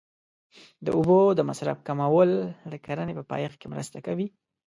د اوبو د مصرف کمول د کرنې په پایښت کې مرسته کوي.